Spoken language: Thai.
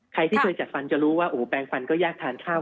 ใครที่เคยจัดฟันจะรู้ว่าแปลงฟันก็ยากทานข้าว